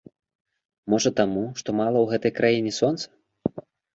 Можа таму, што мала ў гэтай краіне сонца.